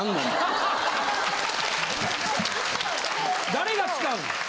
誰が使うの？